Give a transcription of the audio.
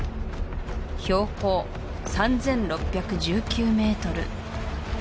標高３６１９メートル